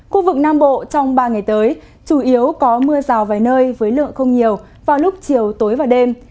khu vực nam bộ trong ba ngày tới chủ yếu có mưa rào vài nơi với lượng không nhiều vào lúc chiều tối và đêm